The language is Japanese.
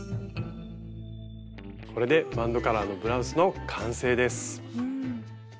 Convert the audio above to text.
これでバンドカラーのブラウスの完成です。